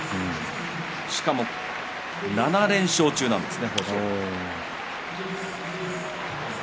しかも、７連勝中なんですね